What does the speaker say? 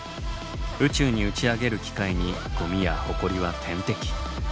宇宙に打ち上げる機械にゴミやホコリは天敵。